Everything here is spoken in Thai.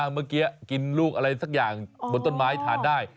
เมื่อกี้กินลูกอะไรสักอย่างบนต้นไม้ทานได้